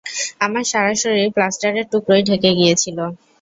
আমার সারা শরীর প্লাস্টারের টুকরোয় ঢেকে গিয়েছিল।